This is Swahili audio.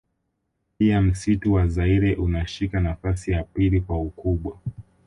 Pia msitu wa zaire unashika nafasi ya pili kwa ukubwa